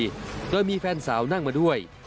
แล้วมีแฟนสาวนั่งมาด้วย